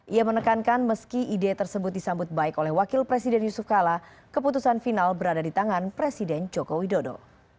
ia menekankan meski ide tersebut disambut baik oleh wakil presiden yusuf kala keputusan final berada di tangan presiden joko widodo